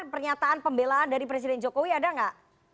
pernyataan pembelaan dari presiden jokowi ada nggak